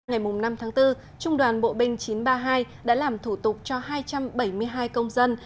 ngày năm tháng bốn trung đoàn bộ binh chín trăm ba mươi hai đã làm thủ tục cho hai trăm bảy mươi hai công dân